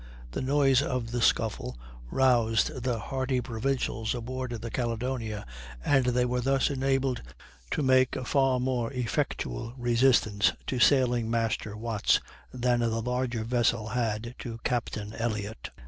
The noise of the scuffle roused the hardy provincials aboard the Caledonia, and they were thus enabled to make a far more effectual resistance to Sailing master Watts than the larger vessel had to Captain Elliott.